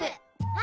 あ！